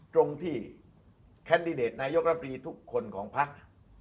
ตรงที่แคนดิเดตนายกรัฐมนตรีทุกคนของพัก